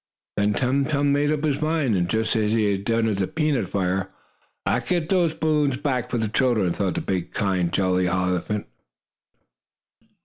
Then Tum Tum made up his mind, just as he had done at the peanut fire. "I'll get those balloons back for the children," thought the big, kind, jolly elephant.